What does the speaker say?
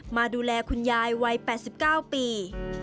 มาดูแลคุณยายวัย๘๙ปี